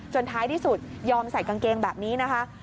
ท้ายที่สุดยอมใส่กางเกงแบบนี้นะคะ